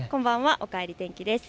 おかえり天気です。